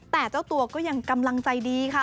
แต่เจ้าตัวก็ยังกำลังใจดีค่ะ